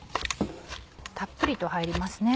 たっぷりと入りますね。